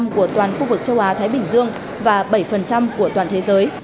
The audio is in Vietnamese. của toàn khu vực châu á thái bình dương và bảy của toàn thế giới